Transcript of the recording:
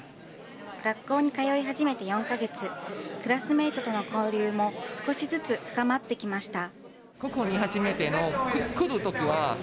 学校に通い始めて４か月、クラスメートとの交流も、少しずつ深まってきました。